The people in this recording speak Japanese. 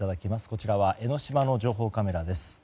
こちらは江の島の情報カメラです。